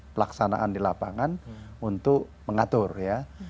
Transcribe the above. pelaksanaan di lapangan untuk mengatur ya